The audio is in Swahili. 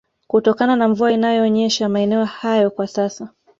kutokana na mvua inayonyesha maeneo hayo kwa sasa